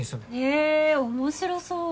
え面白そう。